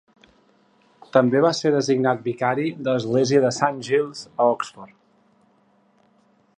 També va ser designat vicari de l'Església de Saint Giles, a Oxford.